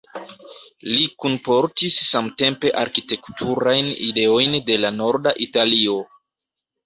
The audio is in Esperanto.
Li kunportis samtempe arkitekturajn ideojn de la norda Italio.